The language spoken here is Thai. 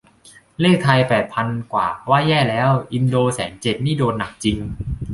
เลขไทยแปดพันกว่าว่าแย่แล้ว อินโดแสนเจ็ดนี่โดนหนักจริง